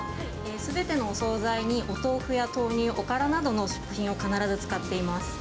すべてのお総菜にお豆腐や豆乳、おからなどの食品を必ず使っています。